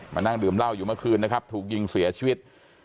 นั่งดื่มเหล้าอยู่เมื่อคืนนะครับถูกยิงเสียชีวิต